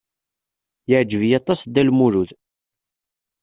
Yeɛjeb-iyi aṭas Dda Lmulud.